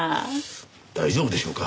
大丈夫でしょうか？